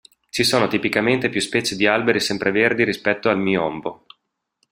Ci sono tipicamente più specie di alberi sempreverdi rispetto al "miombo".